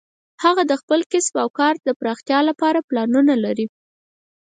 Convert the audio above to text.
هغه د خپل کسب او کار د پراختیا لپاره پلانونه لري